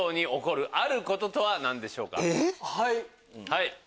はい。